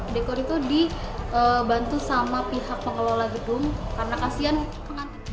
dekor itu dibantu sama pihak pengelola gedung karena kasihan pengantin